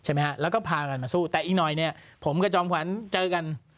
ใช่ไหมฮะแล้วก็พากันมาสู้แต่อีกหน่อยเนี่ยผมกับจอมขวัญเจอกัน